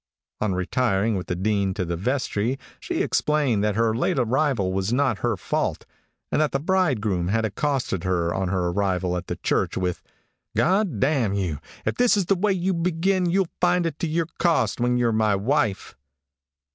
On retiring with the Dean to the vestry, she explained that her late arrival was not her fault, and that the bridegroom had accosted her on her arrival at the church with, "G d d n you, if this is the way you begin you'll find it to to your cost when you're my wife."